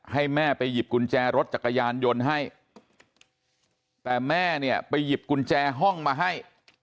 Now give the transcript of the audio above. ให้แม่ไปหยิบกุญแจรถจักรยานยนต์ให้แต่แม่เนี่ยไปหยิบกุญแจห้องมาให้